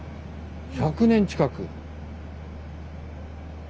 １００年近く。